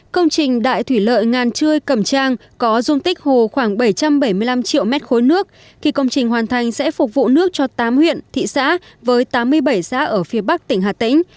công trình đại thủy lợi ngàn trươi cầm trang có dung tích hồ khoảng bảy trăm bảy mươi năm triệu m ba nước khi công trình hoàn thành sẽ phục vụ nước cho tám huyện thị xã với tám mươi bảy xã ở phía bắc tỉnh hà tĩnh